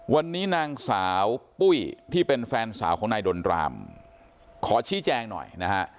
วันนี้นางสาวปุ้ยที่เป็นแฟนสาวของนายดนรามขอชี้แจงหน่อยนะฮะ